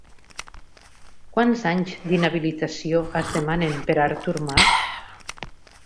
Quants anys d'inhabilitació es demanen per a Artur Mas?